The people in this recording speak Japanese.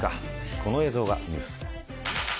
この映像がニュース。